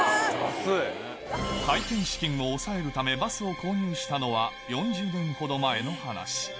開店資金を抑えるためバスを購入したのは、４０年ほど前の話。